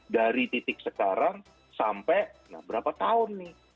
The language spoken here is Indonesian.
dari titik sekarang sampai berapa tahun nih